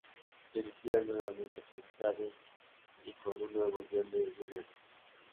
Dirigida nuevamente por Craven y con un nuevo guion de Williamson.